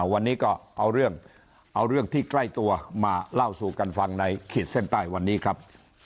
วันนี้ก็เอาเรื่องเอาเรื่องที่ใกล้ตัวมาเล่าสู่กันฟังในขีดเส้นใต้วันนี้ครับ